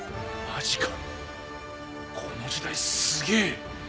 マジかこの時代すげぇ。